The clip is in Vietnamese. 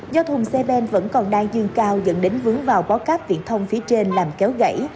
do thùng xe ben vẫn còn đang dương cao dẫn đến vướng vào bó cáp viễn thông phía trên làm kéo gãy